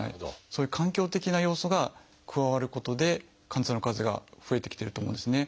そういう環境的な要素が加わることで患者さんの数が増えてきてると思うんですね。